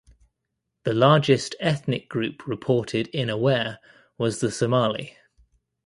The largest ethnic group reported in Aware was the Somali.